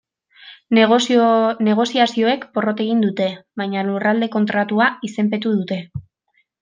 Negoziazioek porrot egin dute, baina Lurralde Kontratua izenpetu dute.